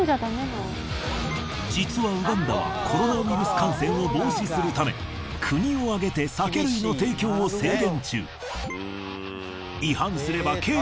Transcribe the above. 実はウガンダはコロナウイルス感染を防止するため国を挙げて酒類の提供を制限中。